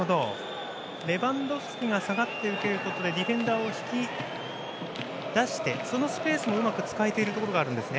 レバンドフスキが下がって受けることでディフェンダーを引き出してそのスペースもうまく使えているところがあるんですね。